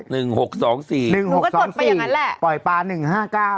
๑๖๒๔หนูก็ตดไปอย่างนั้นแหละ